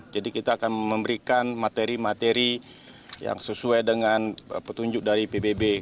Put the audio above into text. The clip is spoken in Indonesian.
jadi kita akan memberikan materi materi yang sesuai dengan petunjuk dari pbb